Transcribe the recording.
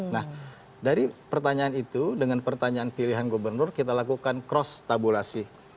nah dari pertanyaan itu dengan pertanyaan pilihan gubernur kita lakukan cross tabulasi